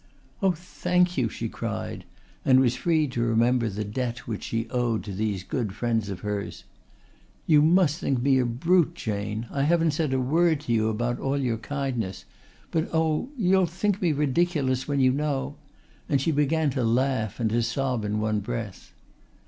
"Oh, thank you," she cried, and was freed to remember the debt which she owed to these good friends of hers. "You must think me a brute, Jane! I haven't said a word to you about all your kindness. But oh, you'll think me ridiculous, when you know" and she began to laugh and to sob in one breath.